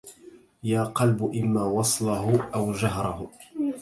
يا قلب إما وصله أو هجره